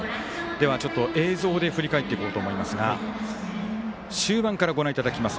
映像で振り返っていこうと思いますが終盤からご覧いただきます。